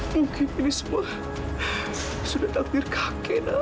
mungkin ini semua sudah takdir kakek nan